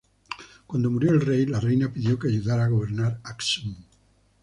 Cuando murió el rey, la reina pidió que ayudara a gobernar Aksum.